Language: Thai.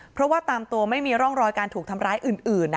เพราะว่าตามตัวไม่มีร่องรอยการถูกทำร้ายอื่น